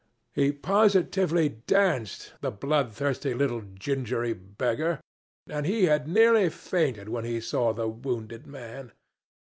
He positively danced, the bloodthirsty little gingery beggar. And he had nearly fainted when he saw the wounded man!